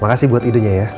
makasih buat idenya ya